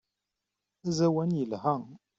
Aẓawan yelha.